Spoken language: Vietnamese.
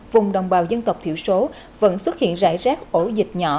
vùng đồng bào dân tộc thiểu số vẫn xuất hiện rải rác ổ dịch nhỏ